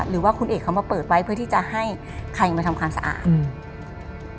หรือว่าคุณเอกเขามาเปิดไว้เพื่อที่จะให้ใครมาทำความสะอาดอืม